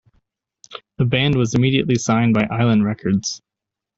The band was immediately signed by Island Records.